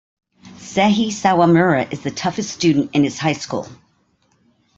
Seiji Sawamura is the toughest student in his high school.